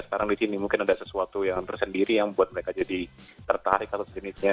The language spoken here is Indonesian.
sekarang di sini mungkin ada sesuatu yang tersendiri yang buat mereka jadi tertarik atau sejenisnya